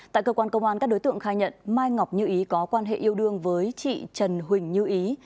tại cơ quan công an các đối tượng khai nhận mai ngọc như ý có quan hệ yêu đương với chị trần huỳnh như ý